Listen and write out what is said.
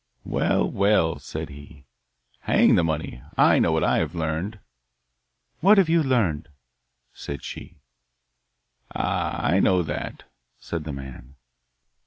'Well, well!' said he, 'hang the money! I know what I have learned.' 'What have you learned?' said she. 'Ah! I know that,' said the man.